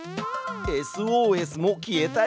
ＳＯＳも消えたよ。